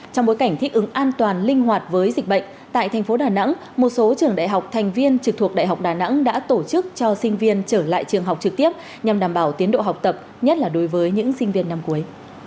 trong bối cảnh thích ứng an toàn linh hoạt với dịch bệnh tại thành phố đà nẵng một số trường đại học thành viên trực thuộc đại học đà nẵng đã tổ chức cho sinh viên trở lại trường học trực tiếp nhằm đảm bảo tiến độ học tập nhất là đối với những sinh viên năm cuối